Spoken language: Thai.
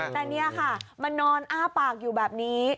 แต่นี่ค่ะมานอนอ้าปากอยู่แบบนี้